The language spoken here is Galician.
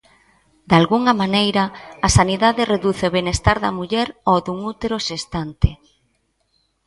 Dalgunha maneira a sanidade reduce o benestar da muller ao dun útero xestante.